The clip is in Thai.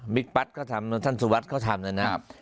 บิ๊กปั๊ดก็ทำท่านสุวัสดิ์ก็ทำเลยน่ะครับ